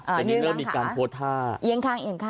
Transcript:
อันนี้เริ่มมีการโพสท่าเอิ้งข้าง